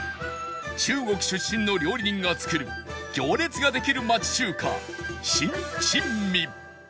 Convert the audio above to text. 中国出身の料理人が作る行列ができる町中華新珍味